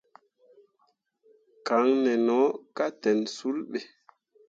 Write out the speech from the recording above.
Caŋne no ka ten sul be.